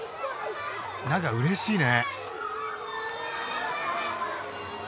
なんかうれしいね。